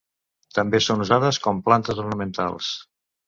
També són usades com plantes ornamentals.